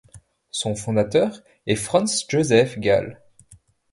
Son fondateur est Franz Joseph Gall.